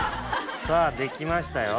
さぁできましたよ。